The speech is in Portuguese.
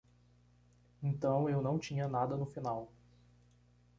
Então eu não tinha nada no final.